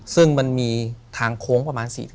ซึ่งมันมีทางคมประมาณ